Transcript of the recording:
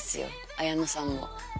彩乃さんも。